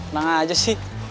nang aja sih